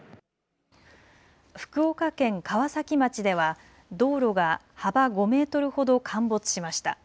福岡県川崎町では道路が幅５メートルほど陥没しました。